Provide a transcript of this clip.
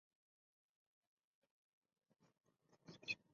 Ha realizado numerosos trabajos para televisión.